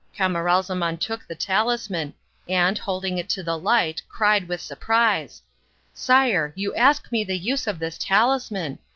Camaralzaman took the talisman and, holding it to the light, cried with surprise, "Sire, you ask me the use of this talisman.